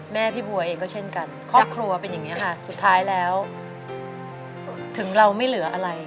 แม่พี่บัวเองก็เช่นกันครอบครัวเป็นอย่างนี้ค่ะสุดท้ายแล้วถึงเราไม่เหลืออะไร